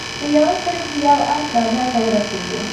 په یوه ګړۍ کې یو ارت بازار ته ورسېدو.